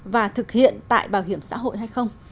và thực hiện tại bảo hiểm xã hội hay không